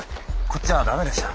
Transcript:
こっちは駄目でした。